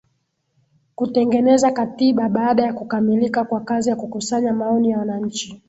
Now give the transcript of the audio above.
Kutengeneza Katiba baada ya kukamilika kwa kazi ya kukusanya maoni ya wananchi